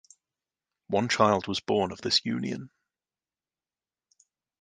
One child was born of this union.